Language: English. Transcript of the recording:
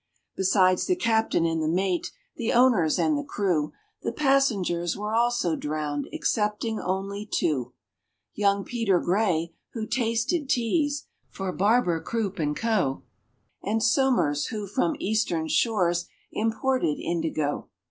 Besides the captain and the mate, the owners and the crew, The passengers were also drowned excepting only two: Young PETER GRAY, who tasted teas for BARBER, CROOP, AND CO., And SOMERS, who from Eastern shores imported indigo.